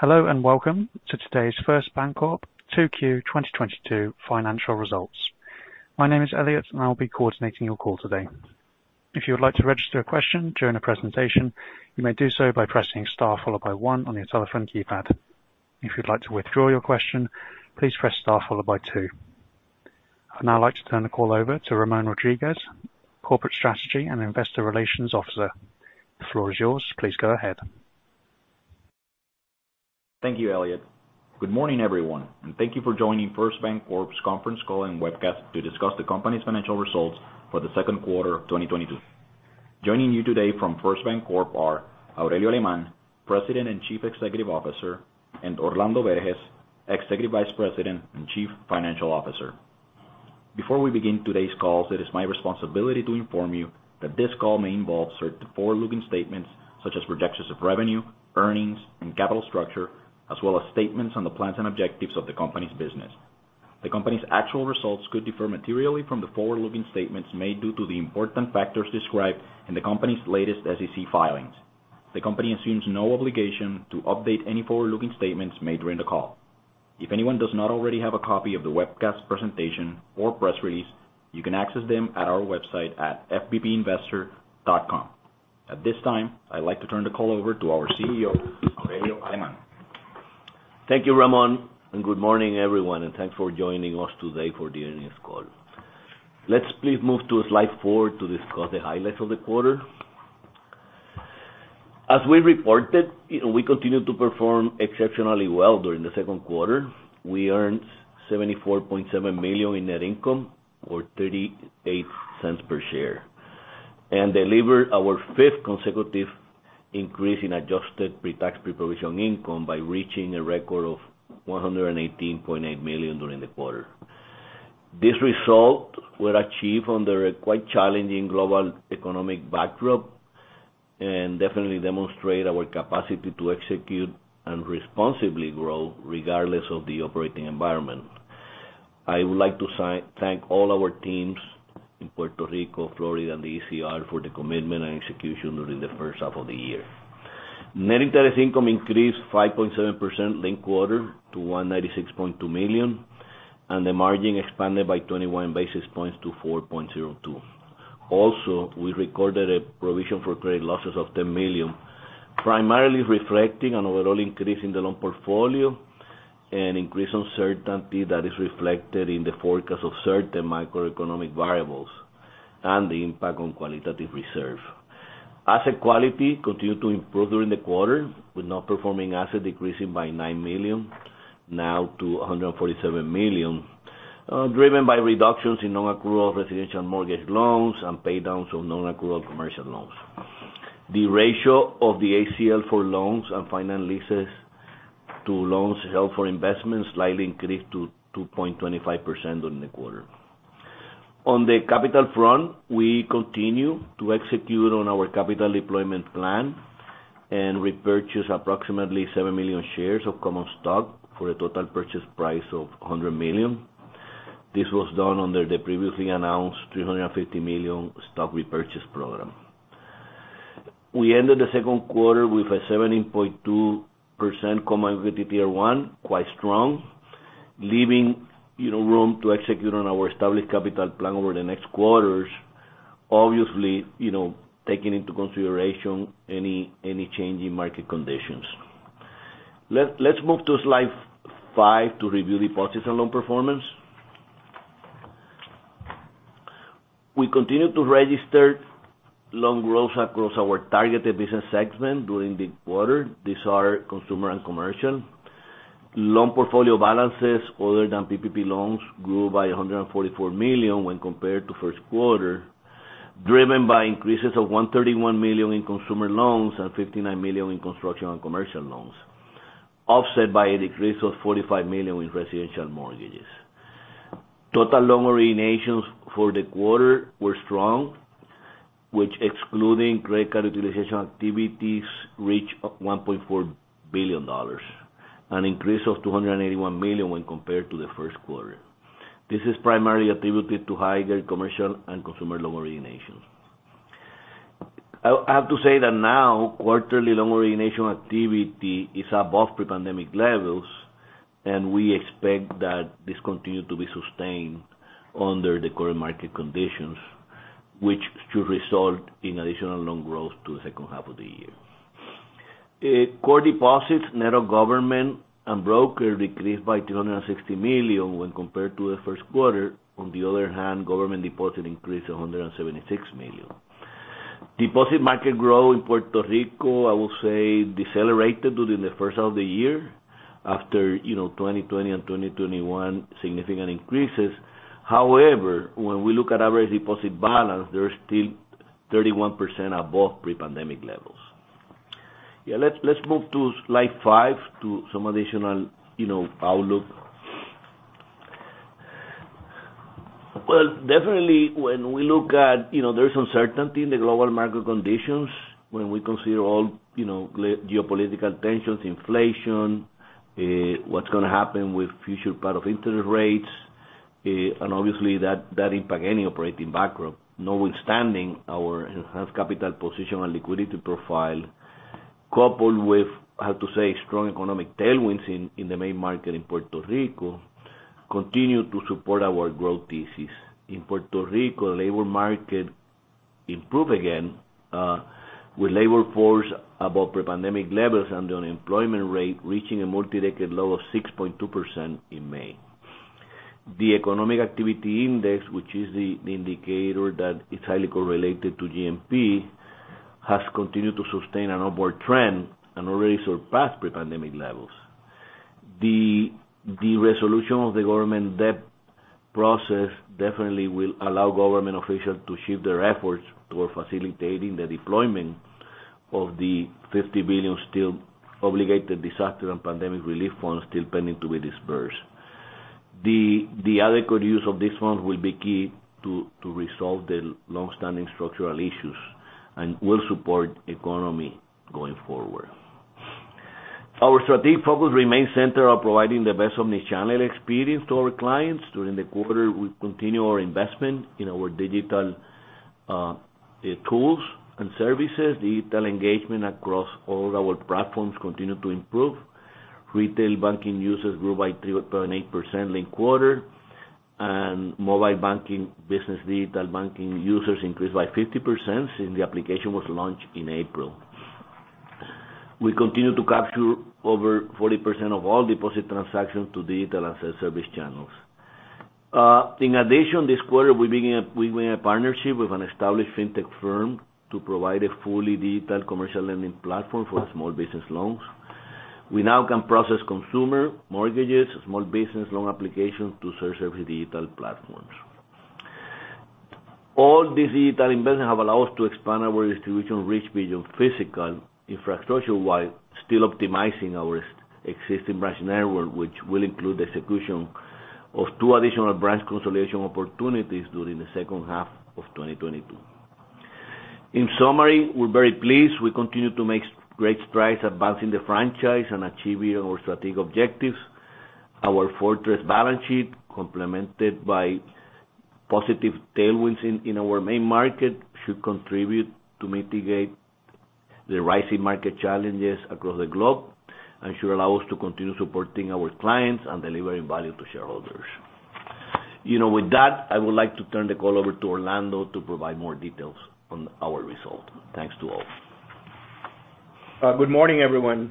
Hello and welcome to today's First BanCorp 2Q 2022 financial results. My name is Elliot, and I'll be coordinating your call today. If you would like to register a question during the presentation, you may do so by pressing Star followed by one on your telephone keypad. If you'd like to withdraw your question, please press star followed by two. I'd now like to turn the call over to Ramón Rodríguez, Corporate Strategy and Investor Relations Officer. The floor is yours. Please go ahead. Thank you, Elliot. Good morning, everyone, and thank you for joining First BanCorp's conference call and webcast to discuss the company's financial results for the second quarter of 2022. Joining you today from First BanCorp are Aurelio Alemán, President and Chief Executive Officer, and Orlando Berges, Executive Vice President and Chief Financial Officer. Before we begin today's call, it is my responsibility to inform you that this call may involve certain forward-looking statements such as projections of revenue, earnings, and capital structure, as well as statements on the plans and objectives of the company's business. The company's actual results could differ materially from the forward-looking statements made due to the important factors described in the company's latest SEC filings. The company assumes no obligation to update any forward-looking statements made during the call. If anyone does not already have a copy of the webcast presentation or press release, you can access them at our website at fbpinvestor.com. At this time, I'd like to turn the call over to our CEO, Aurelio Alemán. Thank you, Ramón, and good morning, everyone, and thanks for joining us today for the earnings call. Let's please move to slide four to discuss the highlights of the quarter. As we reported, you know, we continued to perform exceptionally well during the second quarter. We earned $74.7 million in net income, or $0.38 per share, and delivered our fifth consecutive increase in adjusted pre-tax pre-provision income by reaching a record of $118.8 million during the quarter. This result were achieved under a quite challenging global economic backdrop and definitely demonstrate our capacity to execute and responsibly grow regardless of the operating environment. I would like to thank all our teams in Puerto Rico, Florida, and the USVI for the commitment and execution during the first half of the year. Net interest income increased 5.7% linked quarter to $196.2 million, and the margin expanded by 21 basis points to 4.02%. We recorded a provision for credit losses of $10 million, primarily reflecting an overall increase in the loan portfolio and increased uncertainty that is reflected in the forecast of certain macroeconomic variables and the impact on quantitative reserve. Asset quality continued to improve during the quarter, with non-performing assets decreasing by $9 million, now to $147 million, driven by reductions in non-accrual residential mortgage loans and paydowns of non-accrual commercial loans. The ratio of the ACL for loans and finance leases to loans held for investment slightly increased to 2.25% during the quarter. On the capital front, we continue to execute on our capital deployment plan and repurchase approximately 7 million shares of common stock for a total purchase price of $100 million. This was done under the previously announced $350 million stock repurchase program. We ended the second quarter with a 17.2% Common Equity Tier 1, quite strong, leaving, you know, room to execute on our established capital plan over the next quarters, obviously, you know, taking into consideration any change in market conditions. Let's move to slide five to review deposits and loan performance. We continued to register loan growth across our targeted business segment during the quarter. These are consumer and commercial. Loan portfolio balances other than PPP loans grew by $144 million when compared to first quarter, driven by increases of $131 million in consumer loans and $59 million in construction and commercial loans, offset by a decrease of $45 million in residential mortgages. Total loan originations for the quarter were strong, which excluding credit card utilization activities, reached $1.4 billion, an increase of $281 million when compared to the first quarter. This is primarily attributed to higher commercial and consumer loan originations. I have to say that now, quarterly loan origination activity is above pre-pandemic levels, and we expect that this continue to be sustained under the current market conditions, which should result in additional loan growth to the second half of the year. Core deposits, net of government and broker, decreased by $260 million when compared to the first quarter. On the other hand, government deposits increased $176 million. Deposit market growth in Puerto Rico, I will say, decelerated during the first half of the year after, you know, 2020 and 2021 significant increases. However, when we look at average deposit balance, they're still 31% above pre-pandemic levels. Yeah, let's move to slide five to some additional, you know, outlook. Well, definitely when we look at, you know, there's uncertainty in the global market conditions when we consider all, you know, geopolitical tensions, inflation, what's gonna happen with future path of interest rates. And obviously that impact any operating backdrop, notwithstanding our enhanced capital position and liquidity profile, coupled with, I have to say, strong economic tailwinds in the main market in Puerto Rico, continue to support our growth thesis. In Puerto Rico, labor market improve again, with labor force above pre-pandemic levels and the unemployment rate reaching a multi-decade low of 6.2% in May. The economic activity index, which is the indicator that is highly correlated to GNP, has continued to sustain an upward trend and already surpassed pre-pandemic levels. The resolution of the government debt process definitely will allow government officials to shift their efforts toward facilitating the deployment of the $50 billion still obligated disaster and pandemic relief funds still pending to be dispersed. The adequate use of these funds will be key to resolve the long-standing structural issues and will support economy going forward. Our strategic focus remains centered on providing the best omnichannel experience to our clients. During the quarter, we continue our investment in our digital tools and services. Digital engagement across all our platforms continue to improve. Retail banking users grew by 3.8% linked quarter, and mobile banking business digital banking users increased by 50% since the application was launched in April. We continue to capture over 40% of all deposit transactions to digital and self-service channels. In addition, this quarter, we're in a partnership with an established fintech firm to provide a fully digital commercial lending platform for small business loans. We now can process consumer mortgages, small business loan applications to self-service digital platforms. All this digital investment have allowed us to expand our distribution reach beyond physical infrastructure, while still optimizing our existing branch network, which will include the execution of two additional branch consolidation opportunities during the second half of 2022. In summary, we're very pleased. We continue to make great strides advancing the franchise and achieving our strategic objectives. Our fortress balance sheet, complemented by positive tailwinds in our main market, should contribute to mitigate the rising market challenges across the globe and should allow us to continue supporting our clients and delivering value to shareholders. You know, with that, I would like to turn the call over to Orlando to provide more details on our result. Thanks to all. Good morning, everyone.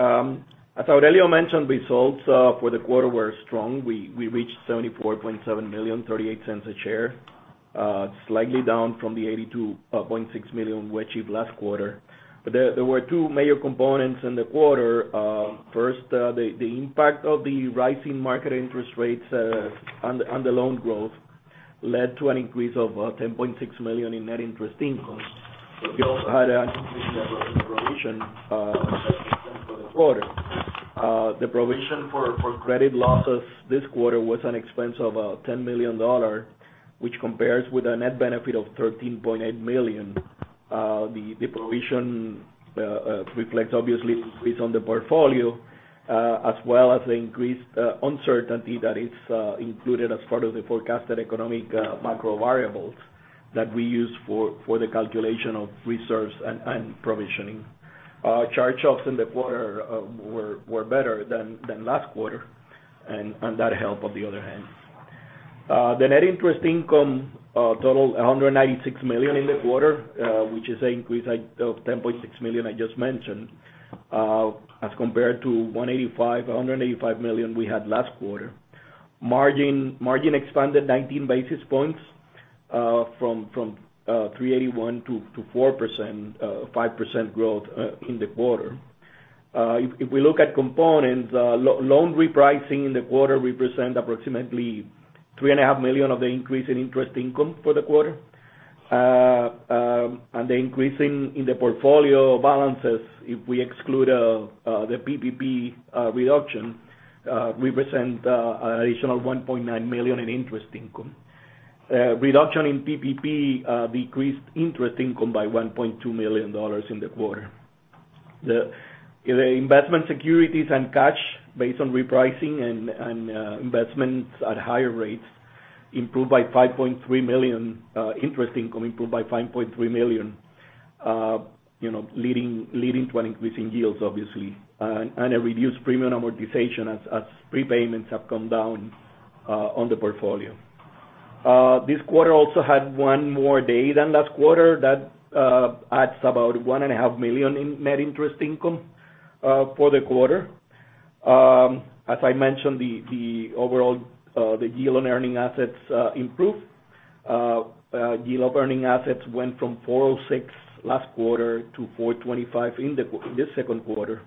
As Aurelio mentioned, results for the quarter were strong. We reached $74.7 million, $0.38 a share. Slightly down from the $82.6 million we achieved last quarter. There were two major components in the quarter. First, the impact of the rising market interest rates on the loan growth led to an increase of $10.6 million in net interest income. We also had a provision for the quarter. The provision for credit losses this quarter was an expense of $10 million, which compares with a net benefit of $13.8 million. The provision reflects obvious increase on the portfolio as well as the increased uncertainty that is included as part of the forecasted economic macro variables that we use for the calculation of reserves and provisioning. Charge-offs in the quarter were better than last quarter, and that helped on the other hand. The net interest income totaled $196 million in the quarter, which is an increase of $10.6 million I just mentioned, as compared to $185 million we had last quarter. Margin expanded 19 basis points from 3.81% to 4%, 5% growth in the quarter. If we look at components, loan repricing in the quarter represent approximately $3.5 million of the increase in interest income for the quarter. The increase in the portfolio balances, if we exclude the PPP reduction, represent an additional $1.9 million in interest income. Reduction in PPP decreased interest income by $1.2 million in the quarter. The investment securities and cash based on repricing and investments at higher rates improved by $5.3 million, interest income improved by $5.3 million, you know, leading to an increase in yields obviously, and a reduced premium amortization as prepayments have come down on the portfolio. This quarter also had one more day than last quarter. That adds about $1.5 million in net interest income for the quarter. As I mentioned, the overall yield on earning assets improved. Yield on earning assets went from 4.06% last quarter to 4.25% in this second quarter.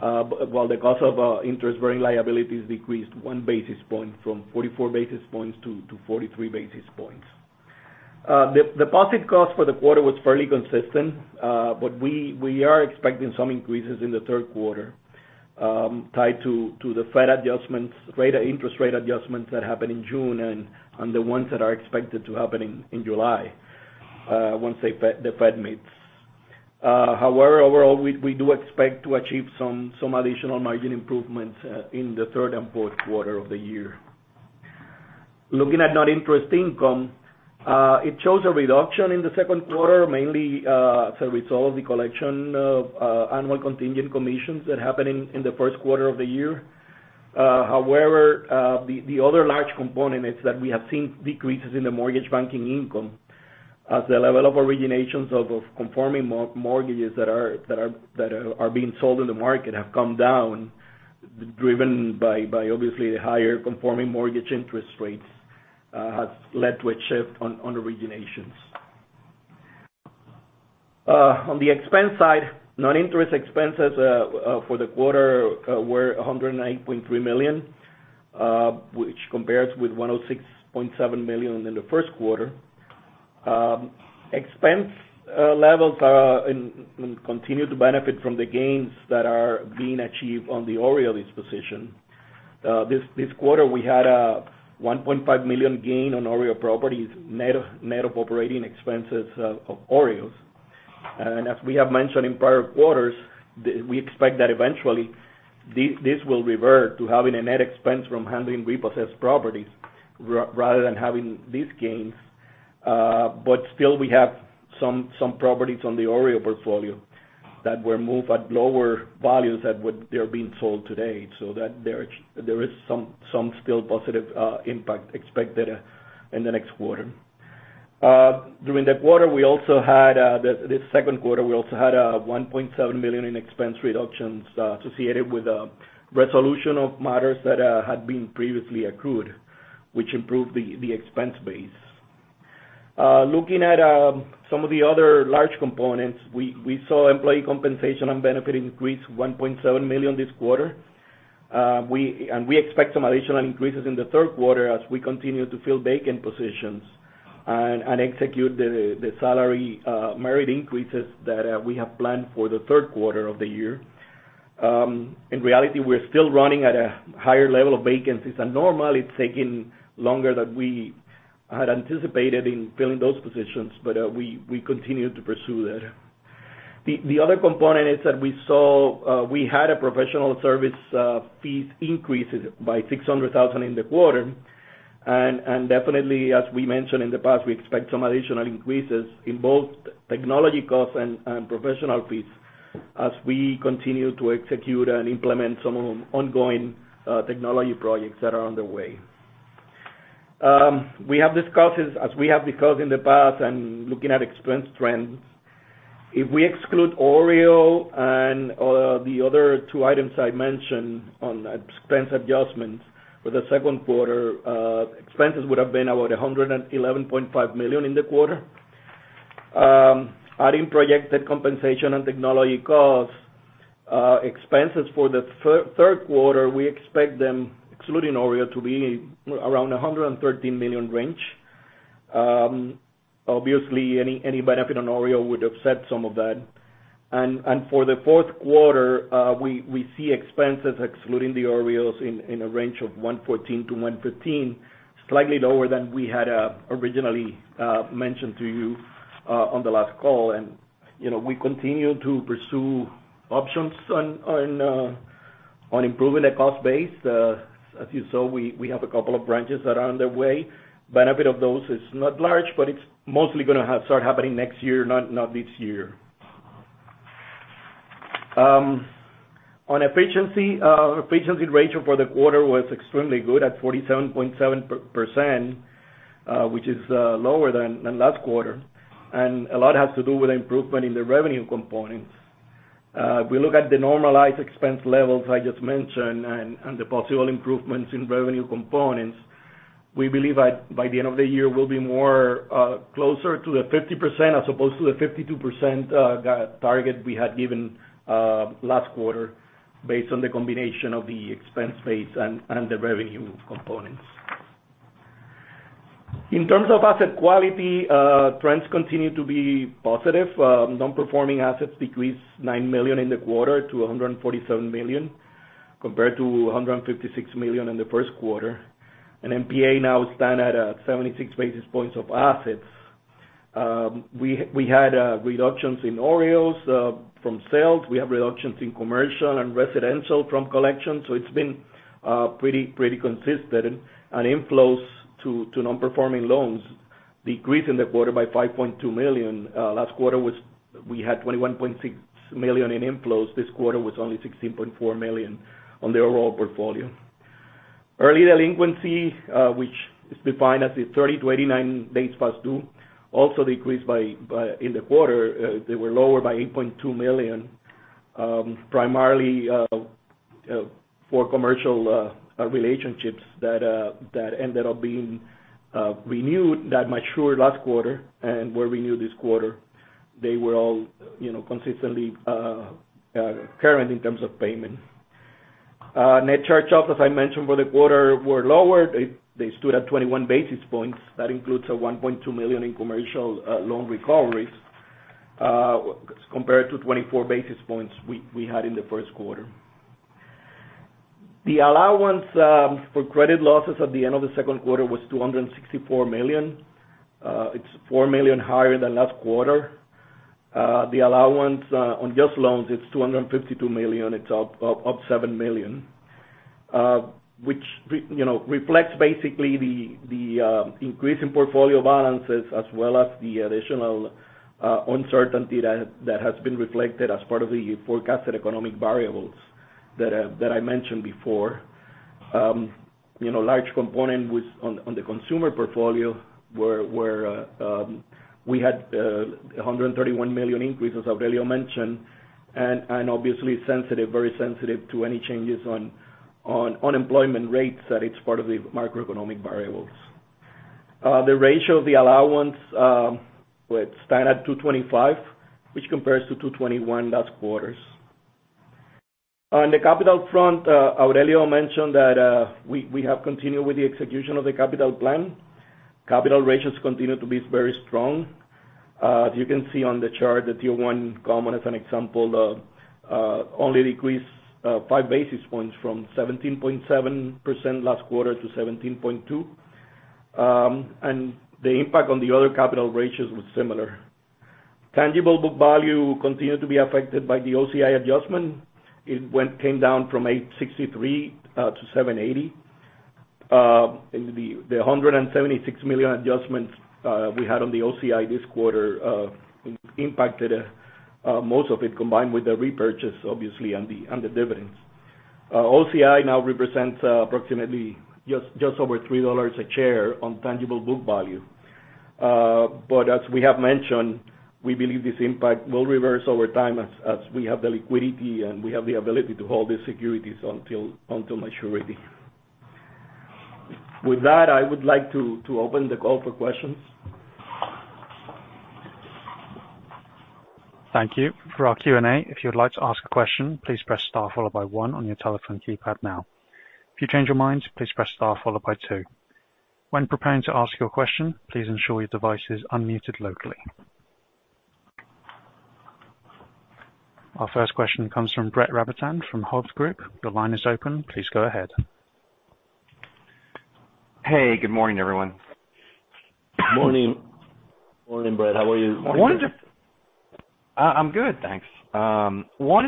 While the cost of interest-bearing liabilities decreased one basis point from 44 basis points to 43 basis points. The deposit cost for the quarter was fairly consistent, but we are expecting some increases in the third quarter, tied to the Fed adjustments, rate of interest rate adjustments that happened in June and the ones that are expected to happen in July, once the Fed meets. However, overall, we do expect to achieve some additional margin improvements in the third and fourth quarter of the year. Looking at net interest income, it shows a reduction in the second quarter, mainly to resolve the collection of annual contingent commissions that happened in the first quarter of the year. However, the other large component is that we have seen decreases in the mortgage banking income as the level of originations of conforming mortgages that are being sold in the market have come down, driven by obviously the higher conforming mortgage interest rates, has led to a shift on originations. On the expense side, non-interest expenses for the quarter were $108.3 million, which compares with $106.7 million in the first quarter. Expense levels continue to benefit from the gains that are being achieved on the OREO disposition. This quarter, we had a $1.5 million gain on OREO properties, net of operating expenses of OREOs. As we have mentioned in prior quarters, we expect that eventually this will revert to having a net expense from handling repossessed properties rather than having these gains. Still we have some properties on the OREO portfolio that were moved at lower values than what they're being sold today, so that there is some still positive impact expected in the next quarter. During that quarter, in this second quarter, we had $1.7 million in expense reductions associated with resolution of matters that had been previously accrued, which improved the expense base. Looking at some of the other large components, we saw employee compensation and benefit increase $1.7 million this quarter. We expect some additional increases in the third quarter as we continue to fill vacant positions and execute the salary merit increases that we have planned for the third quarter of the year. In reality, we're still running at a higher level of vacancies, and normally it's taking longer than we had anticipated in filling those positions. We continue to pursue that. The other component is that we had professional service fees increases by $600,000 in the quarter. Definitely, as we mentioned in the past, we expect some additional increases in both technology costs and professional fees as we continue to execute and implement some ongoing technology projects that are on the way. We have discussed this, as we have discussed in the past and looking at expense trends. If we exclude OREO and the other two items I mentioned on expense adjustments for the second quarter, expenses would have been about $111.5 million in the quarter. Adding projected compensation and technology costs, expenses for the third quarter, we expect them, excluding OREO, to be around $113 million range. Obviously, any benefit on OREO would offset some of that. For the fourth quarter, we see expenses excluding the OREOs in a range of $114-$115, slightly lower than we had originally mentioned to you on the last call. You know, we continue to pursue options on improving the cost base. As you saw, we have a couple of branches that are on their way. Benefit of those is not large, but it's mostly gonna start happening next year, not this year. On efficiency ratio for the quarter was extremely good at 47.7%, which is lower than last quarter, and a lot has to do with improvement in the revenue components. If we look at the normalized expense levels I just mentioned and the possible improvements in revenue components, we believe by the end of the year, we'll be closer to the 50% as opposed to the 52% guidance target we had given last quarter based on the combination of the expense base and the revenue components. In terms of asset quality, trends continue to be positive. Non-performing assets decreased $9 million in the quarter to $147 million, compared to $156 million in the first quarter. NPA now stand at 76 basis points of assets. We had reductions in OREOs from sales. We have reductions in commercial and residential from collections, so it's been pretty consistent. Inflows to non-performing loans decreased in the quarter by $5.2 million. Last quarter we had $21.6 million in inflows. This quarter was only $16.4 million on the overall portfolio. Early delinquency, which is defined as the 30-89 days past due, also decreased by, in the quarter, they were lower by $8.2 million, primarily for commercial relationships that ended up being renewed, that matured last quarter and were renewed this quarter. They were all, you know, consistently current in terms of payment. Net charge-offs, as I mentioned for the quarter, were lower. They stood at 21 basis points. That includes a $1.2 million in commercial loan recoveries, compared to 24 basis points we had in the first quarter. The allowance for credit losses at the end of the second quarter was $264 million. It's $4 million higher than last quarter. The allowance on just loans is $252 million. It's up $7 million, which you know reflects basically the increase in portfolio balances as well as the additional uncertainty that has been reflected as part of the forecasted economic variables that I mentioned before. You know, large component was on the consumer portfolio, where we had a $131 million increase, as Aurelio mentioned, and obviously sensitive, very sensitive to any changes on unemployment rates that it's part of the macroeconomic variables. The ratio of the allowance was 2.25%, which compares to 2.21% last quarter. On the capital front, Aurelio mentioned that we have continued with the execution of the capital plan. Capital ratios continue to be very strong. As you can see on the chart, the Tier 1 common as an example only decreased five basis points from 17.7% last quarter to 17.2%. The impact on the other capital ratios was similar. Tangible book value continued to be affected by the OCI adjustment. It came down from $8.63 to $7.80. The $176 million adjustments we had on the OCI this quarter impacted most of it combined with the repurchase obviously, and the dividends. OCI now represents approximately just over $3 a share on tangible book value. As we have mentioned, we believe this impact will reverse over time as we have the liquidity and we have the ability to hold the securities until maturity. With that, I would like to open the call for questions. Thank you. For our Q&A, if you'd like to ask a question, please press star followed by one on your telephone keypad now. If you change your mind, please press star followed by two. When preparing to ask your question, please ensure your device is unmuted locally. Our first question comes from Brett Rabatin from Hovde Group. Your line is open. Please go ahead. Hey, good morning, everyone. Morning. Morning, Brett. How are you? Wanted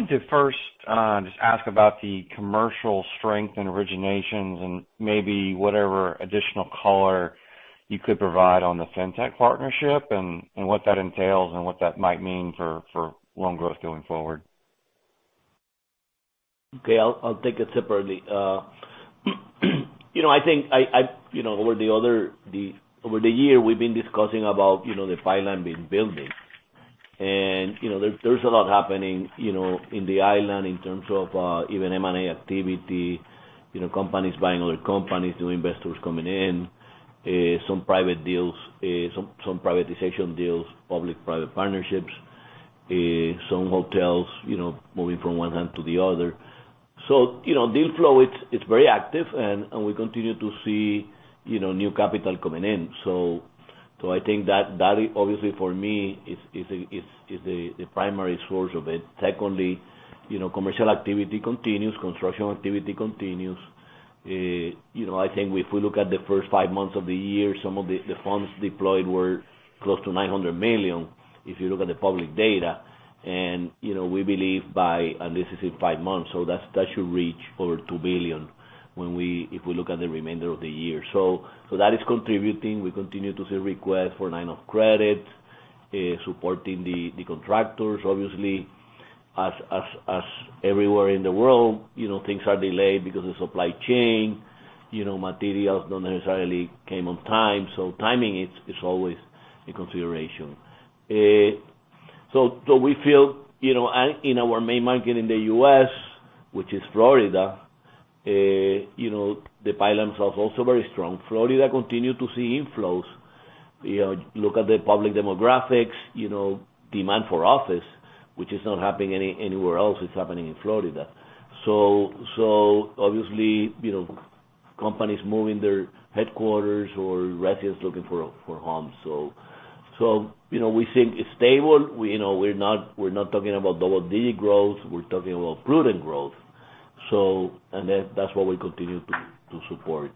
to first just ask about the commercial strength and originations and maybe whatever additional color you could provide on the Fintech partnership and what that entails and what that might mean for loan growth going forward. Okay. I'll take it separately. You know, I think over the year we've been discussing about, you know, the pipeline being building. You know, there's a lot happening, you know, in the island in terms of even M&A activity, you know, companies buying other companies, new investors coming in, some private deals, some privatization deals, public-private partnerships, some hotels, you know, moving from one hand to the other. You know, deal flow, it's very active and we continue to see, you know, new capital coming in. I think that obviously for me is the primary source of it. Secondly, you know, commercial activity continues, construction activity continues. You know, I think if we look at the first five months of the year, some of the funds deployed were close to $900 million, if you look at the public data. You know, we believe this is in five months, so that should reach over $2 billion if we look at the remainder of the year. That is contributing. We continue to see requests for line of credit supporting the contractors, obviously. Everywhere in the world, you know, things are delayed because of supply chain. You know, materials don't necessarily came on time. Timing is always a consideration. We feel, you know, in our main market in the U.S., which is Florida, you know, the pipeline flows also very strong. Florida continue to see inflows. You know, look at the public demographics, you know, demand for office, which is not happening anywhere else, it's happening in Florida. Obviously, you know, companies moving their headquarters or residents looking for homes. You know, we think it's stable. We, you know, we're not talking about double-digit growth. We're talking about prudent growth. That's what we continue to support.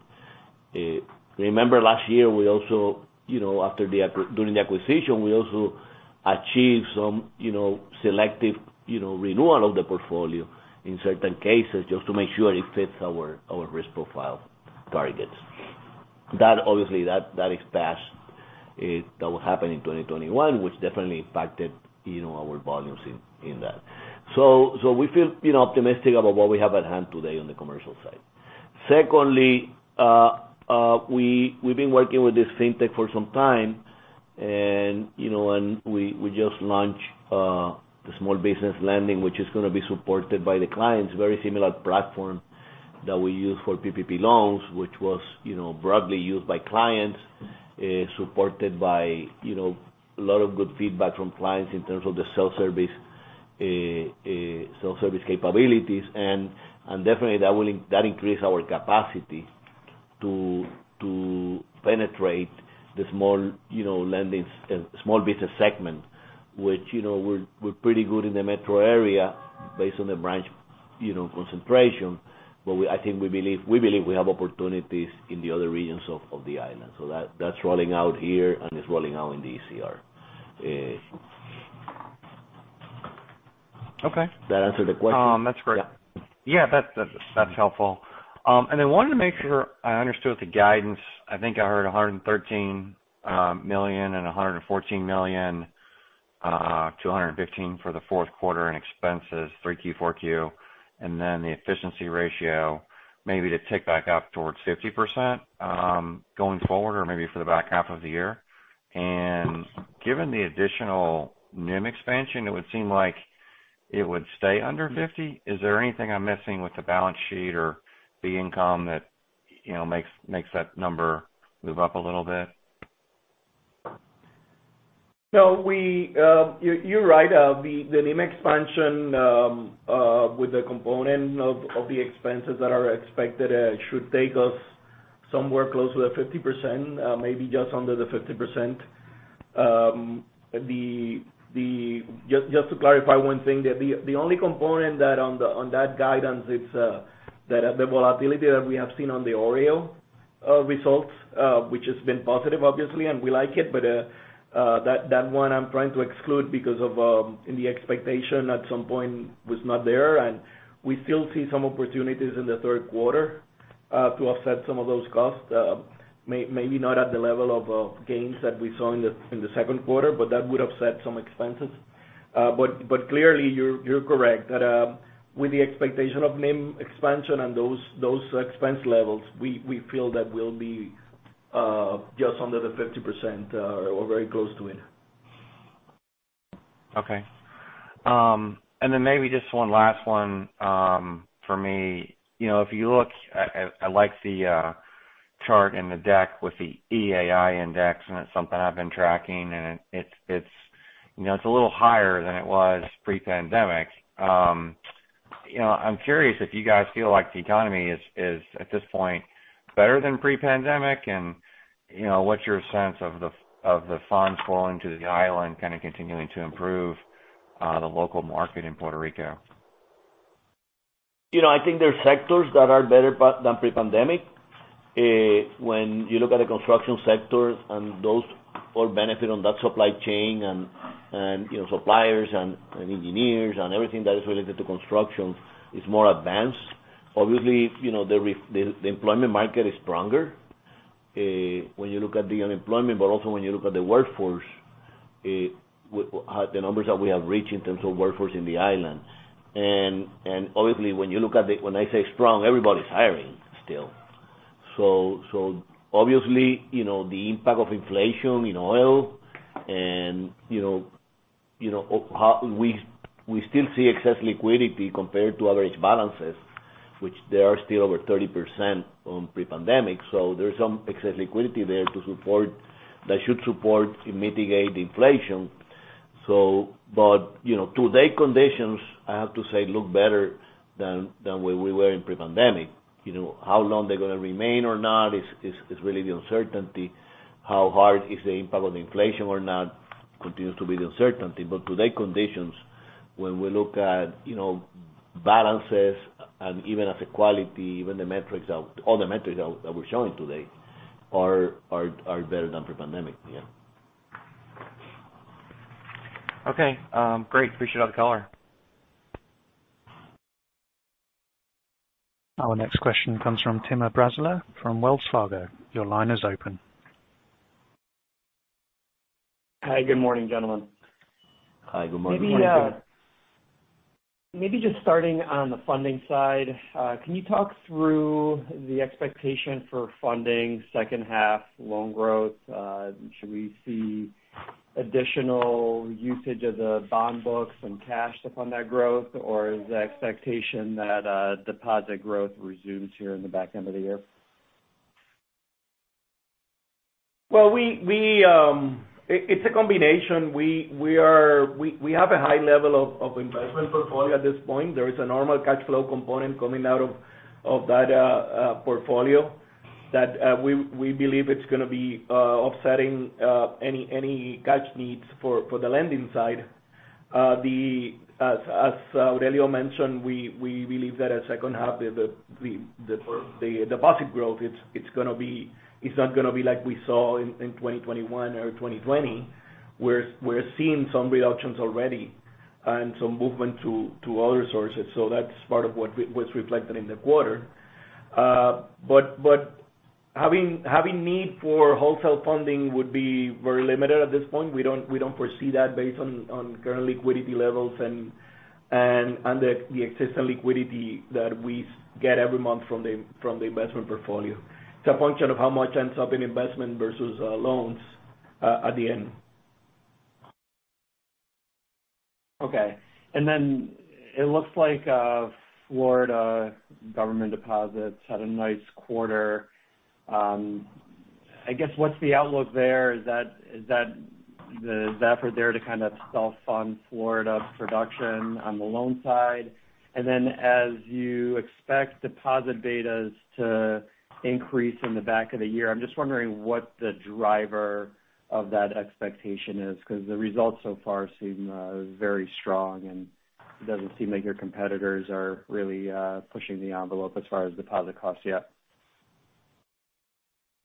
Remember last year we also, you know, during the acquisition, we also achieved some, you know, selective, you know, renewal of the portfolio in certain cases just to make sure it fits our risk profile targets. That obviously that is past, that will happen in 2021, which definitely impacted, you know, our volumes in that. We feel, you know, optimistic about what we have at hand today on the commercial side. Secondly, we've been working with this Fintech for some time and, you know, we just launched the small business lending, which is gonna be supported by the clients, very similar platform that we use for PPP loans, which was, you know, broadly used by clients, supported by, you know, a lot of good feedback from clients in terms of the self-service capabilities. Definitely that will increase our capacity to penetrate the small, you know, lending small business segment, which, you know, we're pretty good in the metro area based on the branch, you know, concentration. We believe we have opportunities in the other regions of the island. That's rolling out here and it's rolling out in the USVI. Okay. That answer the question? That's great. Yeah. Yeah, that's helpful. Wanted to make sure I understood the guidance. I think I heard $113 million and $114 million, $215 million for the fourth quarter in expenses, 3Q, 4Q. The efficiency ratio maybe to tick back up towards 50%, going forward or maybe for the back half of the year. Given the additional NIM expansion, it would seem like it would stay under 50%. Is there anything I'm missing with the balance sheet or the income that, you know, makes that number move up a little bit? No, you're right. The NIM expansion with the component of the expenses that are expected should take us somewhere close to the 50%, maybe just under the 50%. Just to clarify one thing, the only component on that guidance, it's the volatility that we have seen on the OREO results, which has been positive obviously, and we like it. That one I'm trying to exclude because of in the expectation at some point was not there. We still see some opportunities in the third quarter to offset some of those costs. Maybe not at the level of gains that we saw in the second quarter, but that would offset some expenses. Clearly, you're correct that with the expectation of NIM expansion and those expense levels, we feel that we'll be just under the 50% or very close to it. Okay. Maybe just one last one, for me. You know, I like the chart in the deck with the EAI index, and it's something I've been tracking, and it's, you know, it's a little higher than it was pre-pandemic. You know, I'm curious if you guys feel like the economy is at this point better than pre-pandemic. You know, what's your sense of the funds flowing to the island kind of continuing to improve the local market in Puerto Rico? You know, I think there are sectors that are better than pre-pandemic. When you look at the construction sector and those all benefit from that supply chain and suppliers and engineers and everything that is related to construction is more advanced. Obviously, the employment market is stronger when you look at the unemployment, but also when you look at the workforce, the numbers that we have reached in terms of workforce in the island. Obviously, when I say strong, everybody's hiring still. Obviously, the impact of inflation in oil and we still see excess liquidity compared to average balances, which they are still over 30% from pre-pandemic. There's some excess liquidity there to support, that should support to mitigate inflation. You know, today conditions, I have to say, look better than where we were in pre-pandemic. You know, how long they're gonna remain or not is really the uncertainty. How hard is the impact of inflation or not continues to be the uncertainty. Today conditions, when we look at, you know, balances and even asset quality, even the overall metrics that we're showing today are better than pre-pandemic, yeah. Okay. Great. Appreciate all the color. Our next question comes from Timur Braziler from Wells Fargo. Your line is open. Hi. Good morning, gentlemen. Hi. Good morning. Good morning, Timur. Maybe just starting on the funding side. Can you talk through the expectation for funding second half loan growth? Should we see additional usage of the bond books and cash to fund that growth? Or is the expectation that deposit growth resumes here in the back end of the year? Well, it's a combination. We have a high level of investment portfolio at this point. There is a normal cash flow component coming out of that portfolio that we believe it's gonna be offsetting any cash needs for the lending side. As Aurelio mentioned, we believe that in the second half the deposit growth it's not gonna be like we saw in 2021 or 2020. We're seeing some reductions already and some movement to other sources. That's part of what's reflected in the quarter. Having need for wholesale funding would be very limited at this point. We don't foresee that based on current liquidity levels and the existing liquidity that we get every month from the investment portfolio. It's a function of how much ends up in investment versus loans at the end. Okay. It looks like Florida government deposits had a nice quarter. I guess what's the outlook there? Is that the effort there to kind of self-fund Florida production on the loan side? As you expect deposit betas to increase in the back of the year, I'm just wondering what the driver of that expectation is, because the results so far seem very strong, and it doesn't seem like your competitors are really pushing the envelope as far as deposit costs yet.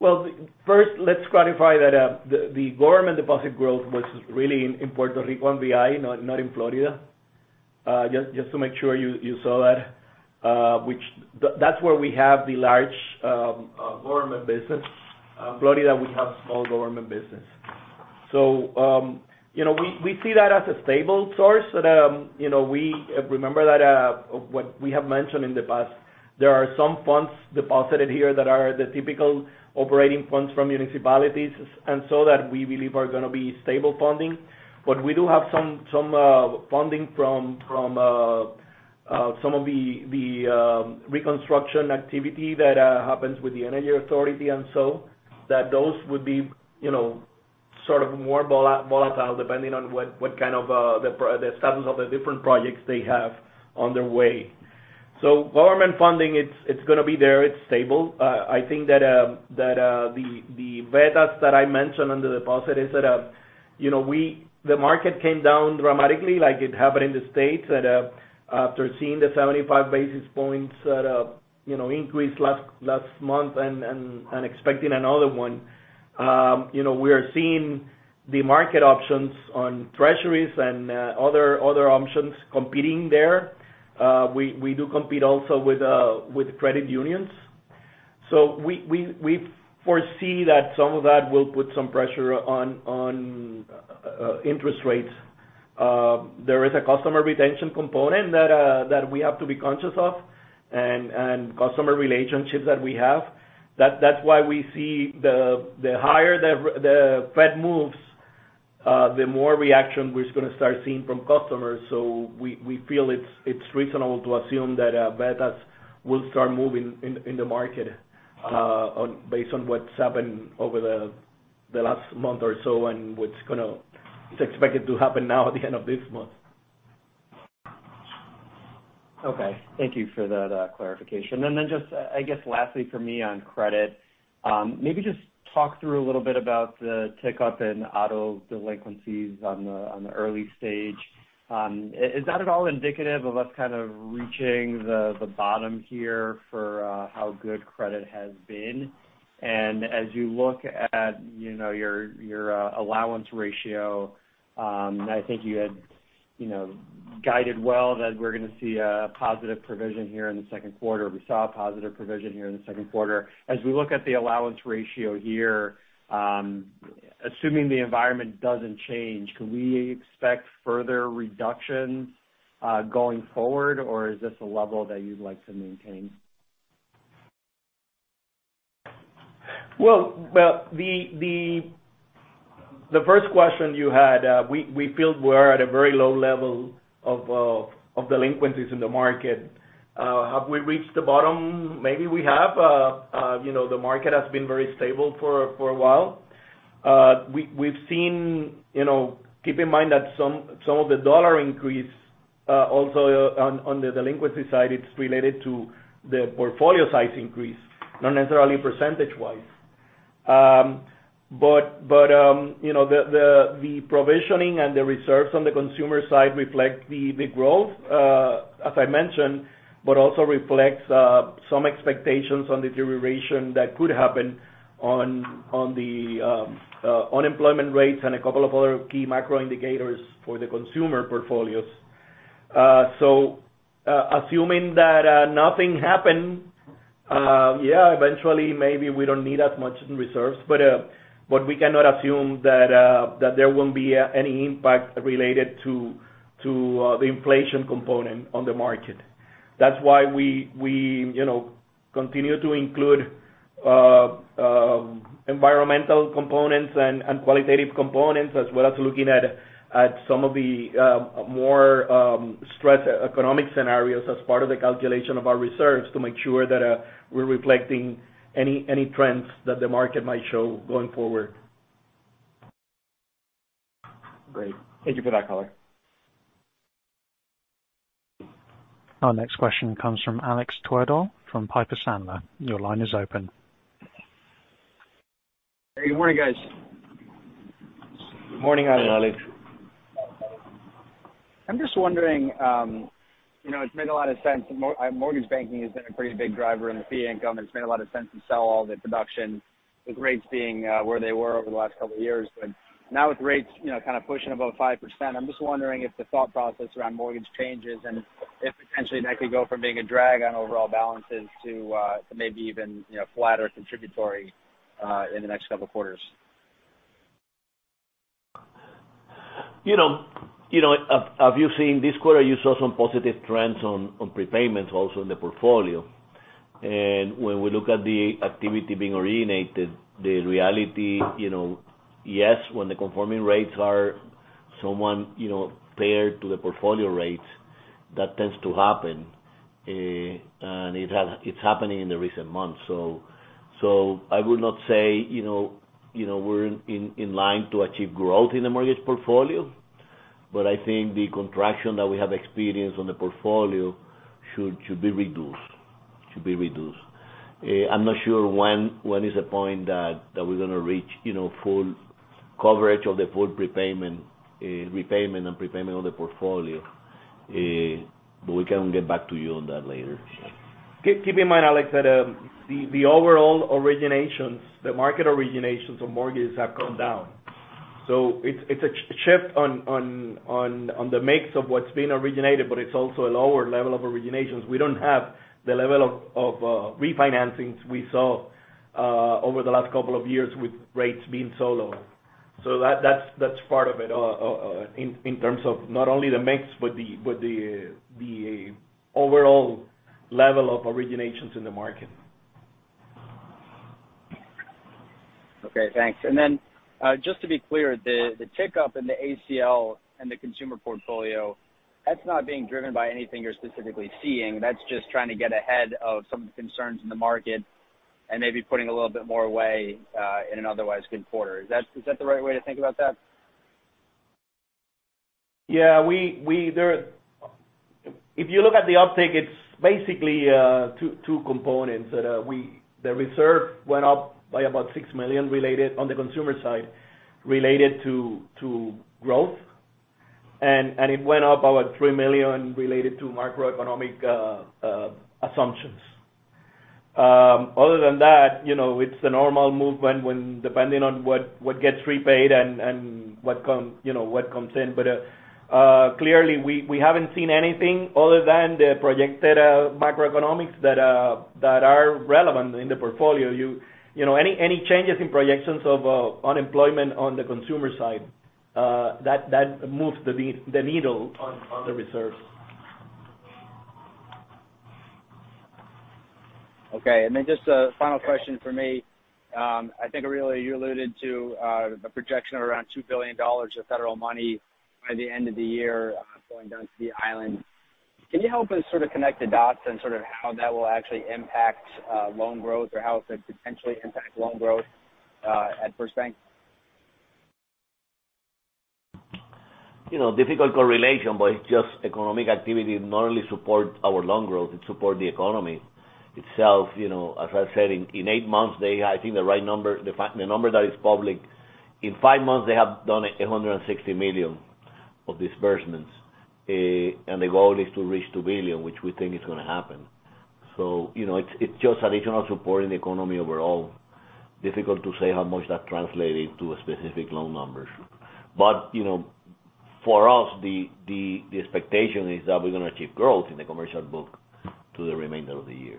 Well, first, let's clarify that the government deposit growth was really in Puerto Rico and USVI, not in Florida. Just to make sure you saw that's where we have the large government business. Florida, we have small government business. You know, we see that as a stable source that, you know, we remember that what we have mentioned in the past, there are some funds deposited here that are the typical operating funds from municipalities, and so that we believe are gonna be stable funding. We do have some funding from some of the reconstruction activity that happens with the Energy Authority and so, that those would be, you know, sort of more volatile depending on what kind of the status of the different projects they have on their way. Government funding, it's gonna be there, it's stable. I think that the betas that I mentioned under deposit is that, you know, the market came down dramatically like it happened in the States that after seeing the 75 basis points, you know, increase last month and expecting another one. You know, we are seeing the market options on Treasuries and other options competing there. We do compete also with credit unions. We foresee that some of that will put some pressure on interest rates. There is a customer retention component that we have to be conscious of and customer relationships that we have. That's why we see the higher the Fed moves, the more reaction we're just gonna start seeing from customers. We feel it's reasonable to assume that betas will start moving in the market based on what's happened over the last month or so and what's expected to happen now at the end of this month. Okay. Thank you for that clarification. Then just I guess lastly for me on credit, maybe just talk through a little bit about the tick-up in auto delinquencies on the early stage. Is that at all indicative of us kind of reaching the bottom here for how good credit has been? As you look at, you know, your allowance ratio, I think you had, you know, guided well that we're gonna see a positive provision here in the second quarter. We saw a positive provision here in the second quarter. As we look at the allowance ratio here, assuming the environment doesn't change, can we expect further reductions going forward, or is this a level that you'd like to maintain? The first question you had, we feel we're at a very low level of delinquencies in the market. Have we reached the bottom? Maybe we have. You know, the market has been very stable for a while. We've seen, you know, keep in mind that some of the dollar increase also on the delinquency side, it's related to the portfolio size increase, not necessarily percentage-wise. But you know, the provisioning and the reserves on the consumer side reflect the growth, as I mentioned, but also reflects some expectations on deterioration that could happen on the unemployment rates and a couple of other key macro indicators for the consumer portfolios. Assuming that nothing happened, yeah, eventually, maybe we don't need as much in reserves. But we cannot assume that there won't be any impact related to the inflation component on the market. That's why we you know continue to include environmental components and qualitative components, as well as looking at some of the more stress economic scenarios as part of the calculation of our reserves to make sure that we're reflecting any trends that the market might show going forward. Great. Thank you for that color. Our next question comes from Alex Twerdahl from Piper Sandler. Your line is open. Hey, good morning, guys. Good morning, Alex. I'm just wondering, you know, it's made a lot of sense. Mortgage banking has been a pretty big driver in the fee income, and it's made a lot of sense to sell all the production with rates being where they were over the last couple of years. Now with rates, you know, kind of pushing above 5%, I'm just wondering if the thought process around mortgage changes and if potentially that could go from being a drag on overall balances to maybe even, you know, flat or contributory in the next couple of quarters. You know, obviously in this quarter, you saw some positive trends on prepayments also in the portfolio. When we look at the activity being originated, the reality, you know, yes, when the conforming rates are somewhat, you know, paired to the portfolio rates. That tends to happen, it's happening in the recent months. I would not say, you know, we're in line to achieve growth in the mortgage portfolio, but I think the contraction that we have experienced on the portfolio should be reduced. I'm not sure when is the point that we're gonna reach, you know, full coverage of the full prepayment, repayment and prepayment on the portfolio. We can get back to you on that later. Keep in mind, Alex, that the overall originations, the market originations of mortgages have come down. It's a shift in the mix of what's being originated, but it's also a lower level of originations. We don't have the level of refinancings we saw over the last couple of years with rates being so low. That's part of it in terms of not only the mix, but the overall level of originations in the market. Okay, thanks. Just to be clear, the tick-up in the ACL and the consumer portfolio, that's not being driven by anything you're specifically seeing. That's just trying to get ahead of some of the concerns in the market and maybe putting a little bit more away in an otherwise good quarter. Is that the right way to think about that? Yeah, if you look at the uptake, it's basically two components. The reserve went up by about $6 million related on the consumer side related to growth. It went up about $3 million related to macroeconomic assumptions. Other than that, you know, it's the normal movement when depending on what gets repaid and what comes in. Clearly we haven't seen anything other than the projected macroeconomics that are relevant in the portfolio. You know, any changes in projections of unemployment on the consumer side that moves the needle on the reserves. Okay. Then just a final question from me. I think, Aurelio, you alluded to a projection of around $2 billion of federal money by the end of the year, going down to the island. Can you help us sort of connect the dots on sort of how that will actually impact loan growth or how it could potentially impact loan growth at FirstBank? You know, difficult correlation, but it's just economic activity not only support our loan growth, it support the economy itself. You know, as I said, in eight months, I think the right number, the number that is public, in five months, they have done $160 million of disbursements. The goal is to reach $2 billion, which we think is gonna happen. You know, it's just additional support in the economy overall. Difficult to say how much that translated to a specific loan numbers. You know, for us, the expectation is that we're gonna achieve growth in the commercial book through the remainder of the year.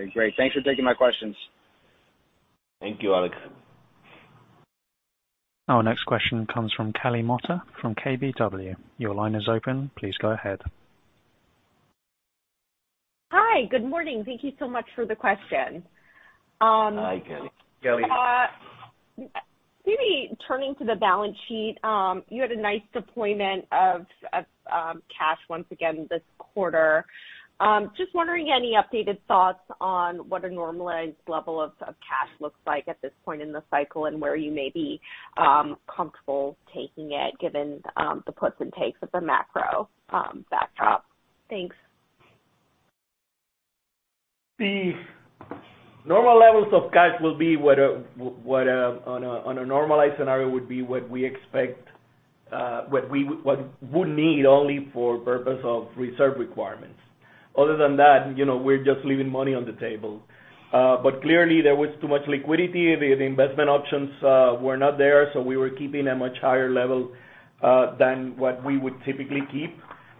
Okay, great. Thanks for taking my questions. Thank you, Alex. Our next question comes from Kelly Motta from KBW. Your line is open. Please go ahead. Hi, good morning. Thank you so much for the questions. Hi, Kelly. Kelly. Maybe turning to the balance sheet, you had a nice deployment of cash once again this quarter. Just wondering any updated thoughts on what a normalized level of cash looks like at this point in the cycle and where you may be comfortable taking it given the puts and takes of the macro backdrop. Thanks. The normal levels of cash will be what, on a normalized scenario, would be what we expect, what we'd need only for purpose of reserve requirements. Other than that, you know, we're just leaving money on the table. Clearly there was too much liquidity. The investment options were not there, so we were keeping a much higher level than what we would typically keep.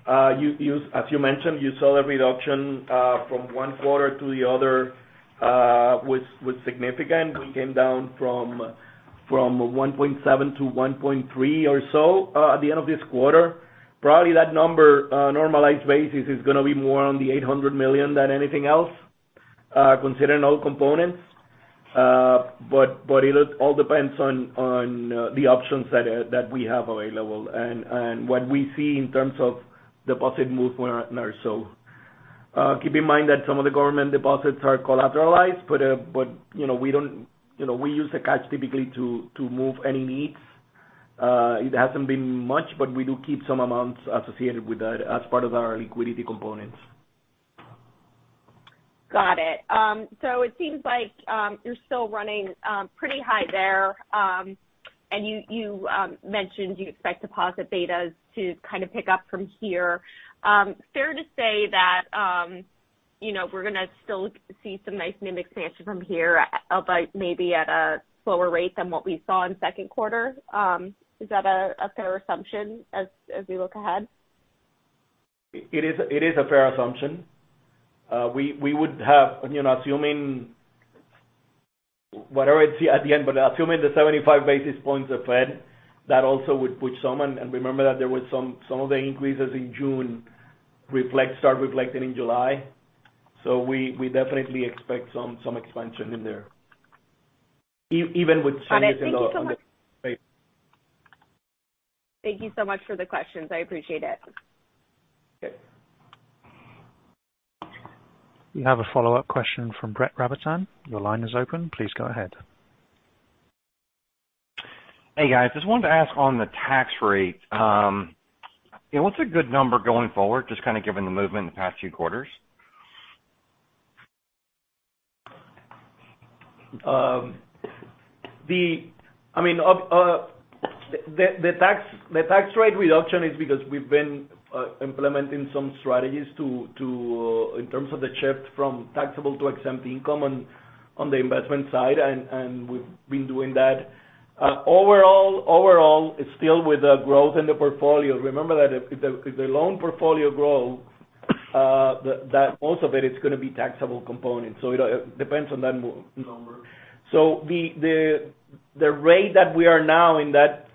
As you mentioned, you saw a reduction from one quarter to the other was significant. We came down from $1.7 to $1.3 or so at the end of this quarter. Probably that number, normalized basis is gonna be more on the $800 million than anything else, considering all components. It all depends on the options that we have available and what we see in terms of deposit movement or so. Keep in mind that some of the government deposits are collateralized, you know, we don't, you know, we use the cash typically to move any needs. It hasn't been much, we do keep some amounts associated with that as part of our liquidity components. Got it. It seems like you're still running pretty high there. You mentioned you expect deposit betas to kind of pick up from here. Fair to say that, you know, we're gonna still see some nice NIM expansion from here, but maybe at a slower rate than what we saw in second quarter. Is that a fair assumption as we look ahead? It is a fair assumption. We would have, you know, assuming whatever it's at the end, but assuming the 75 basis points of Fed, that also would put some. Remember that there was some of the increases in June start reflecting in July. We definitely expect some expansion in there. Even with changes in the- Got it. Thank you so much. Thank you so much for the questions. I appreciate it. Okay. You have a follow-up question from Brett Rabatin. Your line is open. Please go ahead. Hey, guys. Just wanted to ask on the tax rate, what's a good number going forward, just kinda given the movement in the past few quarters? I mean, the tax rate reduction is because we've been implementing some strategies to in terms of the shift from taxable to exempt income on the investment side, and we've been doing that. Overall, it's still with the growth in the portfolio. Remember that if the loan portfolio grow, that most of it is gonna be taxable components, so it depends on that number. So the rate that we are now in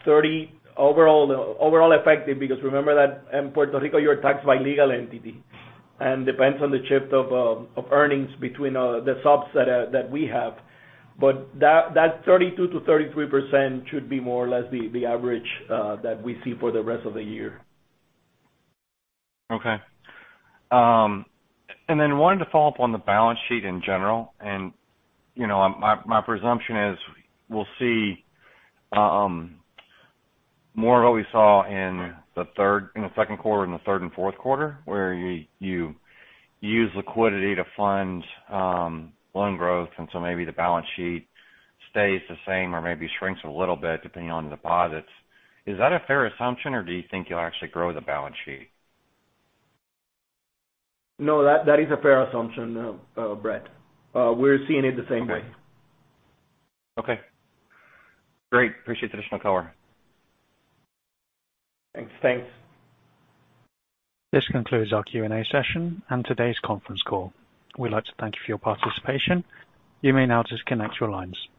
that 30% overall effective, because remember that in Puerto Rico you're taxed by legal entity, and depends on the shift of earnings between the subsidiaries that we have. That 32%-33% should be more or less the average that we see for the rest of the year. Okay. Wanted to follow up on the balance sheet in general. You know, my presumption is we'll see more of what we saw in the second quarter and the third and fourth quarter, where you use liquidity to fund loan growth, and so maybe the balance sheet stays the same or maybe shrinks a little bit depending on the deposits. Is that a fair assumption, or do you think you'll actually grow the balance sheet? No, that is a fair assumption, Brett. We're seeing it the same way. Okay. Great. Appreciate the additional color. Thanks. Thanks. This concludes our Q&A session and today's conference call. We'd like to thank you for your participation. You may now disconnect your lines.